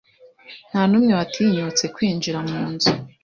Ntanumwe watinyutse kwinjira munzu